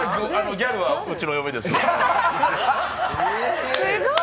ギャルはうちの嫁です。